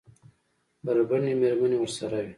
بربنډې مېرمنې ورسره وې؟